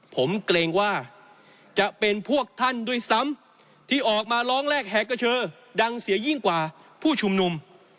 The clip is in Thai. ผมเกรงว่าจะเป็นพวกท่านด้วยซ้ำที่ออกมาร้องแรกแหกกระเชอดังเสียยิ่งกว่าผู้ชุมนุม